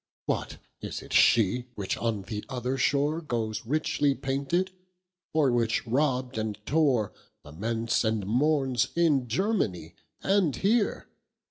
What! is it She, which on the other shore Goes richly painted? or which rob'd and tore Laments and mournes in Germany and here?